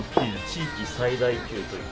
地域最大級と。